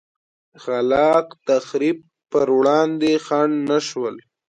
خلا ق تخریب پر وړاندې خنډ نه شول.